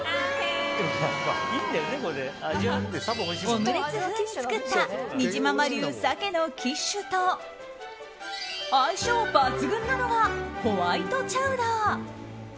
オムレツ風に作ったにじまま流、鮭のキッシュと相性抜群なのがホワイトチャウダー。